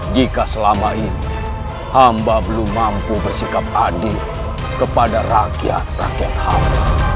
jika selama ini hamba belum mampu bersikap adil kepada rakyat rakyat hawa